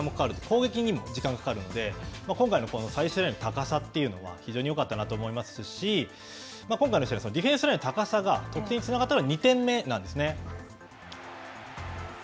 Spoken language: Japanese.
攻撃にも時間がかかるので、今回の最終ラインの高さというのは、非常によかったなと思いますし、今回のディフェンスラインの高さが、得点につながったのは２点目なんですね。